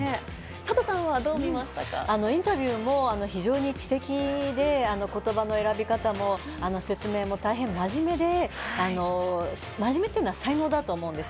サトさんはインタビューも非常に知的で、言葉の選び方も説明も大変真面目で、真面目っていうのは才能だと思います。